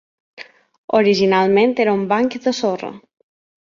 Originalment era un banc de sorra.